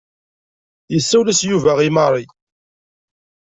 Isawel-as Yuba i Mary.